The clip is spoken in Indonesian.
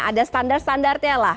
ada standar standarnya lah